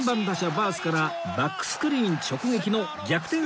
バースからバックスクリーン直撃の逆転